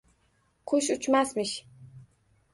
Qush uchmasmish.